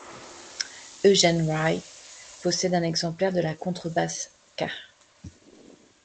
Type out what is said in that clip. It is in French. Eugene Wright possède un exemplaire de la contrebasse Ca.